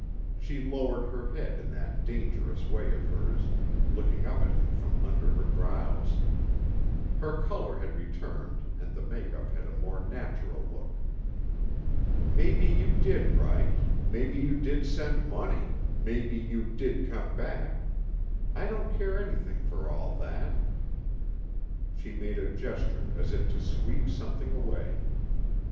She lowered her head in that dangerous way of hers, looking up at him from under her brows. Her color had returned and the make up had a more natural look. "Maybe you did write, maybe you did send money, maybe you did come back I don't care anything for all that." She made a gesture as if to sweep something away.